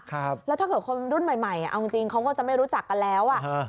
แล้วถ้าเขาเป็นคนรุ่นใหม่เขาก็จะไม่รู้จักกันแล้ว